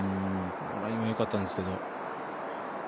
ラインはよかったんですけど。